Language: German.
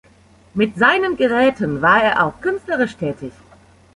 Mit seinen Geräten war er auch künstlerisch tätig.